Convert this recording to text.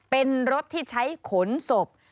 เป็นรถที่ใช้ขนศพ